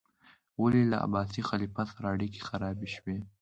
ولې له عباسي خلیفه سره اړیکې خرابې شوې؟